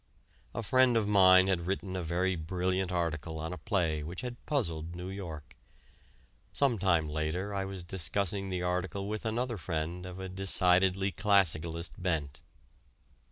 A friend of mine had written a very brilliant article on a play which had puzzled New York. Some time later I was discussing the article with another friend of a decidedly classicalist bent.